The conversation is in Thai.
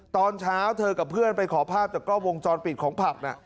ตอนเช้าเธอกับเพื่อนไปขอภาพแต่ก็วงจรปิดของผับน่ะ